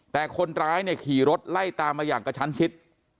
แต่คนร้ายเนี่ยขี่รถไล่ตามมาอย่างกระชั้นชิด